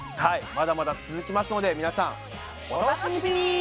まだまだ続きますので皆さん。お楽しみに！